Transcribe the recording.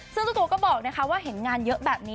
ซึ่งเจ้าตัวก็บอกว่าเห็นงานเยอะแบบนี้